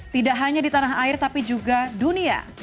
tidak hanya di tanah air tapi juga dunia